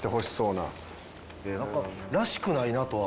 なんからしくないなとは。